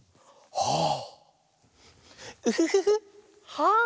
はあ！